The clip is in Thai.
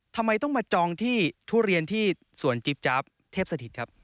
ทำไมต้องมาจองที่ทุเรียนที่สวนจิ๊บจ๊าบเทพสถิตครับ